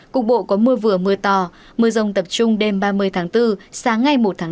cục bộ có mưa vừa mưa to mưa rông tập trung đêm ba mươi tháng bốn sáng ngày một tháng năm